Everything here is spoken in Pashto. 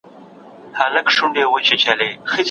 زموږ غوا تېر کال د سختې ناروغۍ له امله مړه شوه.